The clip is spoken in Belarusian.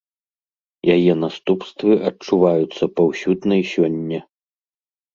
Яе наступствы адчуваюцца паўсюдна і сёння.